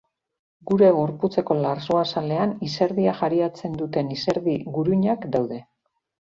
Gure gorputzeko larruazalean izerdia jariatzen duten izerdi guruinak daude.